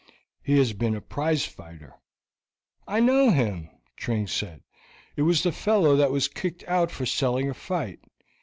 He has been a prize fighter." "I know him," Tring said; "it was the fellow that was kicked out for selling a fight.